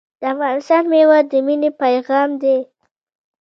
د افغانستان میوه د مینې پیغام دی.